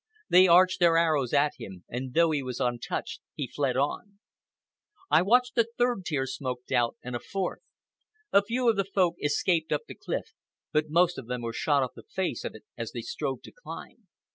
They arched their arrows at him, and though he was untouched he fled on. I watched a third tier smoked out, and a fourth. A few of the Folk escaped up the cliff, but most of them were shot off the face of it as they strove to climb.